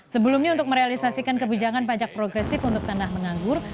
sebelumnya untuk merealisasikan kebijakan pajak progresif untuk tanah menganggur